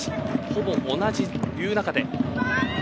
ほぼ同じという中で。